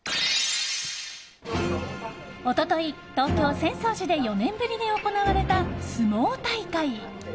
一昨日、東京・浅草寺で４年ぶりに行われた相撲大会。